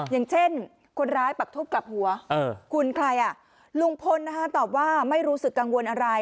อย่างเช่นคนร้ายปักทุบกลับหัวคุณใครอ่ะลุงพลตอบว่าไม่รู้สึกกังวลอะไร